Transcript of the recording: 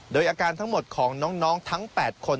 โดยอาการทั้งหมดของน้องทั้ง๘คน